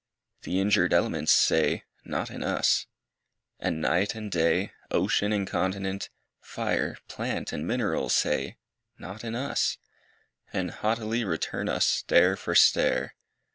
The injured elements say, 'Not in us;' And night and day, ocean and continent, Fire, plant and mineral say, 'Not in us;' And haughtily return us stare for stare.